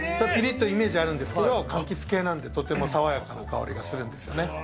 ぴりっとイメージあるんですけど、かんきつ系なんで、とても爽やかな香りがするんですよね。